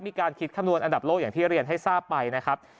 มีการคิดคำนวณอันดับโลกอย่างที่เรียนให้ทราบไปนะครับ